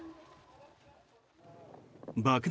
爆弾